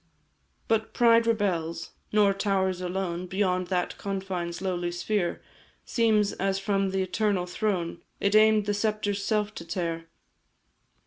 "But pride rebels, nor towers alone Beyond that confine's lowly sphere Seems as from the Eternal Throne It aim'd the sceptre's self to tear.